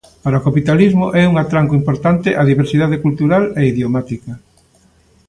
Para o capitalismo é un atranco importante a diversidade cultural e idiomática.